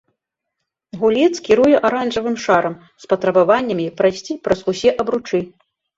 Гулец кіруе аранжавым шарам з патрабаваннямі прайсці праз усе абручы.